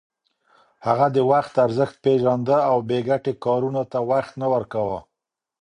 هغه د وخت ارزښت پېژانده او بې ګټې کارونو ته وخت نه ورکاوه.